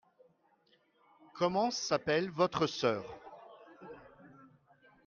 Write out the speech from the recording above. Comment s'appelle votre sœur ?